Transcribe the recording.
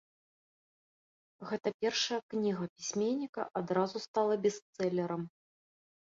Гэта першая кніга пісьменніка адразу стала бестселерам.